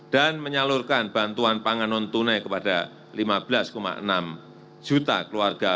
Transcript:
dan menyalurkan bantuan pangan non tunai kepada lima belas enam juta keluarga